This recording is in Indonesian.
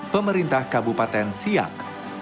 pemerintah kabupaten siak